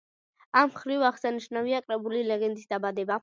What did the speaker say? ამ მხრივ აღსანიშნავია კრებული „ლეგენდის დაბადება“.